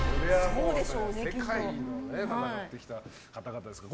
世界で戦ってきた方々ですから。